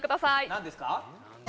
・何ですか？